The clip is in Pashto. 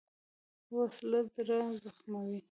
وسله زړه زخموي